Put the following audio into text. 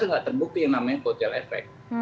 dua ribu sembilan belas gak terbukti yang namanya kotel efek